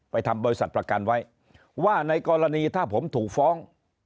ทำบริษัทประกันไว้ว่าในกรณีถ้าผมถูกฟ้อง